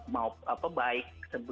mau apa baik